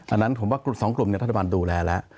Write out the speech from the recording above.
อันนั้นผมว่าสองกลุ่มนี่ท่านบาลดูแลแล้ว